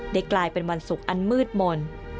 กลายเป็นวันศุกร์อันมืดมนต์